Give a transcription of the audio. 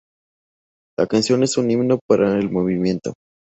La canción es un himno para el movimiento.